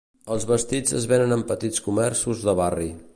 Els vestits es venen en petits comerços de barri.